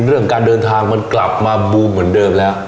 เรื่องการเดินทางมันกลับมาบูมเหมือนเดิมแล้ว